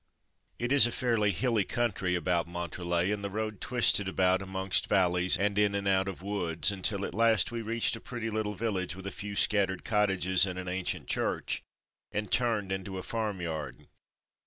It is a fairly hilly country about Montrelct and the road twisted about amongst valleys and in and out of woods, until at last we reached a pretty little village with a few scat tered cottages and an ancient church, and turned into a farm yard.